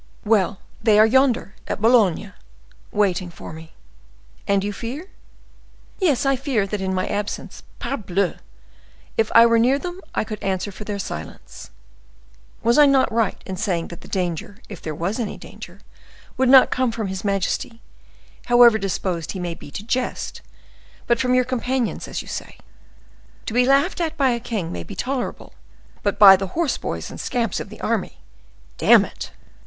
"Well; they are yonder, at Boulogne, waiting for me." "And you fear—" "Yes, I fear that in my absence—Parbleu! If I were near them, I could answer for their silence." "Was I not right in saying that the danger, if there was any danger, would not come from his majesty, however disposed he may be to jest, but from your companions, as you say? To be laughed at by a king may be tolerable, but by the horse boys and scamps of the army! Damn it!"